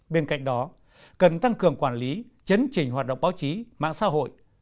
bên cạnh đó cần tăng cường quản lý chấn trình hoạt động báo chí mạng xã hội